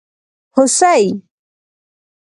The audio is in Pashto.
🦌 هوسي